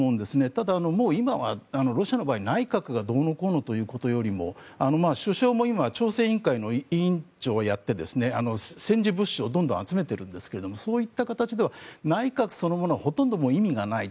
ただ、今はロシアの場合は内閣がどうのこうのというよりも首相も今、調整委員会の委員長をやって戦時物資をどんどん集めているんですがそういう意味では内閣そのものがほとんど意味がない。